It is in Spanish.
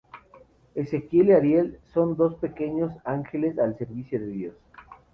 Ezequiel y Ariel son dos pequeños ángeles al servicio de Dios.